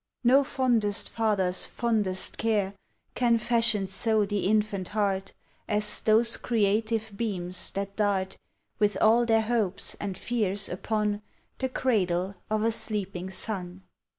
No fondest father's fondest care Can fashion so the infant heart As those creative beams that dart. With all their hopes and fears, upon The cradle of a sleeping son.